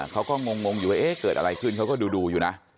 เขาก็งงอยู่ว่าเอ๊ะเกิดอะไรขึ้นเขาก็ดูอยู่นะ